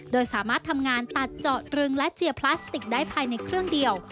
โดยสามารถทำงานตัดเจาะตรึงและเชียร์พลาสติกได้ภายในเครื่องเดียว